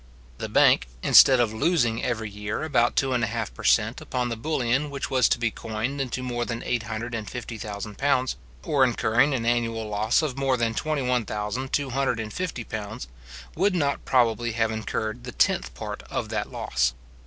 The bank, instead of losing every year about two and a half per cent. upon the bullion which was to be coined into more than eight hundred and fifty thousand pounds, or incurring an annual loss of more than £21,250 pounds, would not probably have incurred the tenth part of that loss.